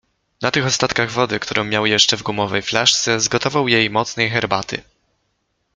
Na tych ostatkach wody, którą miał jeszcze w gumowej flaszce, zgotował jej mocnej herbaty.